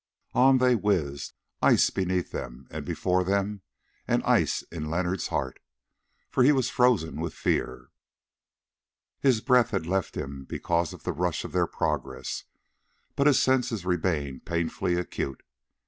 On they whizzed, ice beneath them and before them, and ice in Leonard's heart, for he was frozen with fear. His breath had left him because of the rush of their progress, but his senses remained painfully acute.